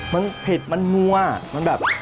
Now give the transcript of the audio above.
มันเผ็ดมันนัวมันแบบ